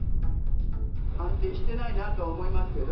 安定してないなとは思います